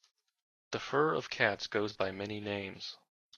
The fur of cats goes by many names.